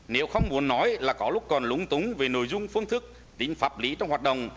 nếu không muốn nói là có lúc còn lúng túng về nội dung phương thức tính pháp lý trong hoạt động